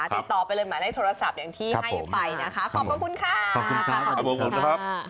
ติดต่อไปเลยหมายเลขโทรศัพท์อย่างที่ให้ไปนะคะขอบคุณค่ะขอบคุณค่ะครับผมนะครับ